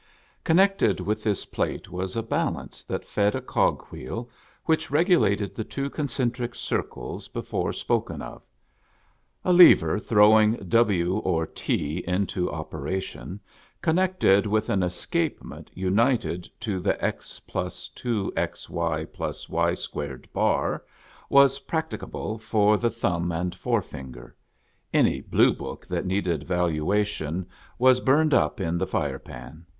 Connected with this plate was a balance that fed a cog wheel which regulated the two concentric circles before spoken of. A lever throwing iv or t into opera tion, connected with an escapement united to the x f 2xy \ y 2 bar, was practicable for the thumb and forefinger. Any blue book that needed valuation was burned up in the fire pan.